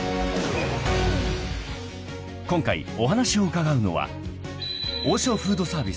［今回お話を伺うのは］